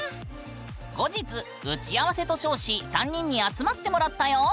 後日打合せと称し３人に集まってもらったよ。